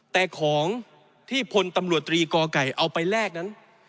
แต่ของที่พลตำรวจตรีกอไก่เอาไปแลกนั้น